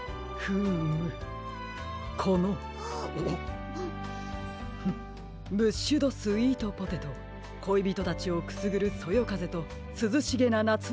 フームこのフッブッシュドスイートポテトこいびとたちをくすぐるそよかぜとすずしげなな